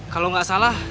kalau gak salah